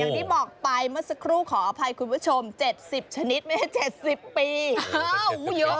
อย่างที่บอกไปเมื่อสักครู่ขออภัยคุณผู้ชมเจ็ดสิบชนิดไม่ได้เจ็ดสิบปีอ้าวเยอะ